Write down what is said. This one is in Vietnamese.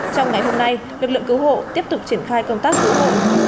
trong ngày hôm nay lực lượng cứu hộ tiếp tục triển khai công tác cứu hộ